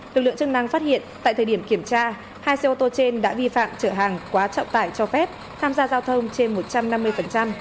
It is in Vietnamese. lực lượng chức năng phát hiện tại thời điểm kiểm tra hai xe ô tô trên đã vi phạm trở hàng quá trọng tải cho phép tham gia giao thông trên một trăm năm mươi